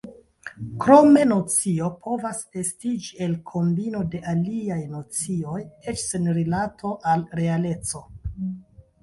Krome nocio povas estiĝi el kombino de aliaj nocioj eĉ sen rilato al realeco.